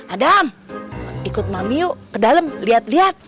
adam ikut mami yuk ke dalam lihat lihat